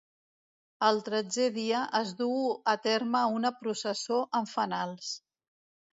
El tretzè dia es duu a terme una processó amb fanals.